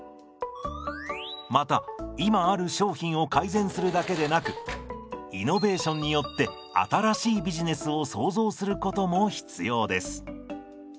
また今ある商品を改善するだけでなくイノベーションによって新しいビジネスを創造することも必要です。